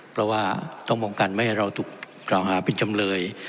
เพราะว่าต้องป้องกันไม่ให้เราถูกกล่าวหาเป็นจำเลย